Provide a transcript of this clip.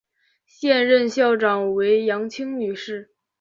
现任校长为杨清女士。